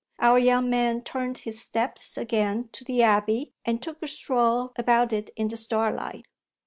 Our young man turned his steps again to the abbey and took a stroll about it in the starlight.